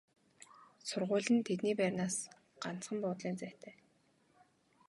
Сургууль нь тэдний байрнаас ганцхан буудлын зайтай.